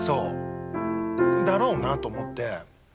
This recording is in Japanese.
だろうなと思って。